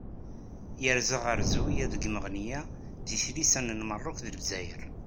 Yerza ɣer Zwiyya deg Meɣneyya di tlisa n Lmerruk d Lezzayer.